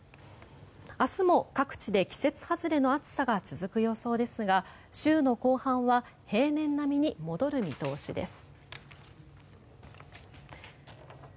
明日も各地で季節外れの暑さが続く予想ですが週の後半は平年並みに戻る見通しです。